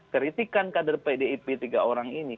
kritikan kader pdip tiga orang ini